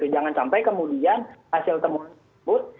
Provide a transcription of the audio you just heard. jangan sampai kemudian hasil temuan tersebut